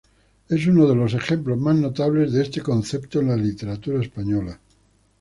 Es uno de los ejemplos más notables de este concepto en la literatura española.